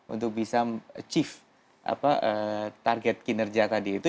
untuk bisa achieve target kinerja tadi itu